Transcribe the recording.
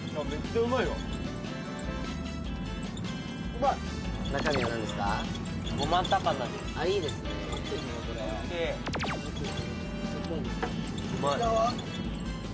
うまい。